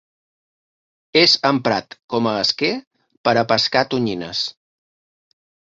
És emprat com a esquer per a pescar tonyines.